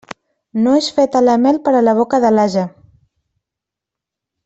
No és feta la mel per a la boca de l'ase.